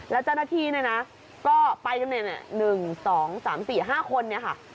แล้วเจ้าหน้าที่ก็ไปตรงนี้๑๒๓๔๕คนค่ะ